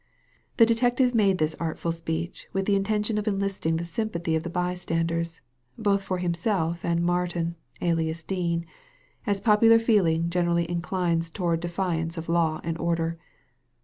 The detective made this artful speech with the in tention of enlisting the sympathy of the bystanders, both for himself and Martin, alias Dean, as popular feeling generally inclines towards defiance of law and order.